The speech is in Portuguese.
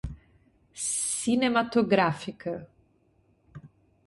cinematográfica